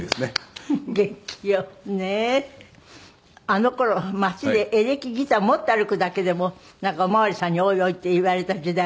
あの頃街でエレキギター持って歩くだけでもなんかお巡りさんに「おいおい」って言われた時代。